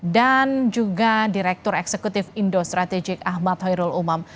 dan juga direktur eksekutif indo strategik ahmad hoirul umam